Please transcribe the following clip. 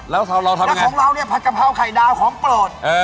แล้วของเราเนี่ยผัดกะเพราไข่ดาวของโปรด